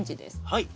はい。